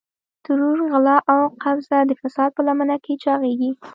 ترور، غلا او قبضه د فساد په لمن کې چاغېږي.